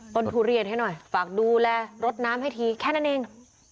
ทุเรียนให้หน่อยฝากดูแลรดน้ำให้ทีแค่นั้นเอง